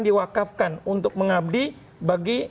diwakafkan untuk mengabdi bagi